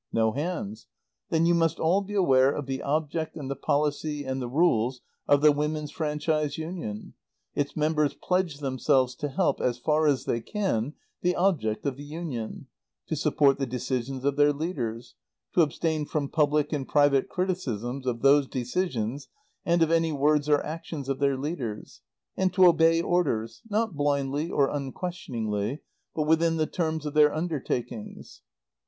No hands. Then you must all be aware of the object and the policy and the rules of the Women's Franchise Union. Its members pledge themselves to help, as far as they can, the object of the Union; to support the decisions of their leaders; to abstain from public and private criticism of those decisions and of any words or actions of their leaders; and to obey orders not blindly or unquestioningly, but within the terms of their undertakings.